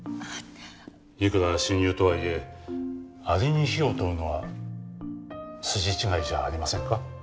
いくら親友とはいえアリに非を問うのは筋違いじゃありませんか？